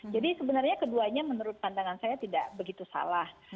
jadi sebenarnya keduanya menurut pandangan saya tidak begitu salah